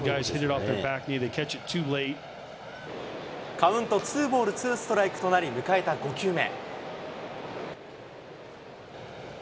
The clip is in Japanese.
カウントツーボールツーストライクとなり、迎えた５球目。